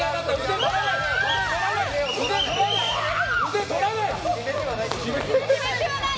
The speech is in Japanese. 腕とらない！